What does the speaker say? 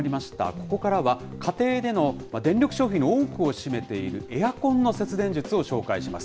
ここからは、家庭での電力消費の多くを占めている、エアコンの節電術を紹介します。